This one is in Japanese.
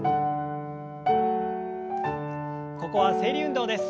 ここは整理運動です。